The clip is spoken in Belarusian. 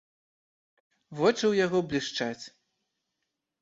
Вочы ў яго блішчаць.